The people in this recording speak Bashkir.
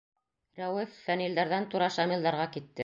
Рәүеф Фәнилдәрҙән тура Шамилдарға китте.